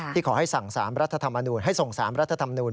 ที่ขอให้สั่งสามรัฐธรรมนูญให้ส่งสามรัฐธรรมนูญ